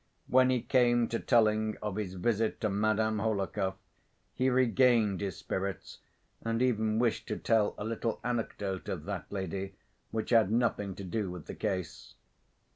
When he came to telling of his visit to Madame Hohlakov, he regained his spirits and even wished to tell a little anecdote of that lady which had nothing to do with the case.